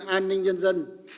an ninh nhân dân